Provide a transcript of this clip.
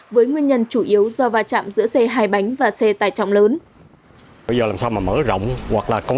với nguyên nhân chủ yếu do va chạm giữa xe hài bánh và xe tải trọng lớn